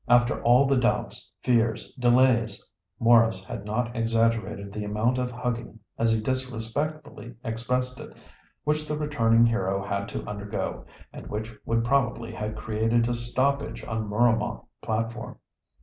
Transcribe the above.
After all the doubts, fears, delays. Maurice had not exaggerated the amount of hugging, as he disrespectfully expressed it, which the returning hero had to undergo, and which would probably have created a stoppage on Mooramah platform.